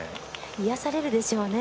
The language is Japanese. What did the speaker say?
癒やされるでしょうね。